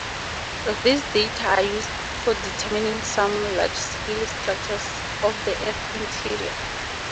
These data are used for determining some large scale structures of the Earth interior.